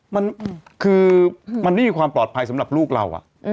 มันคือมันไม่มีความปลอดภัยสำหรับลูกเรา